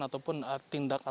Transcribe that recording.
ataupun tindak atau perubahan